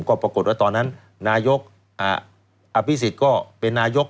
ก็ปรากฏว่าตอนนั้นนายกอภิษฎก็เป็นนายก